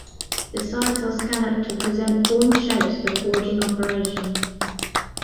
The sides are scalloped to present formed shapes for forging operations.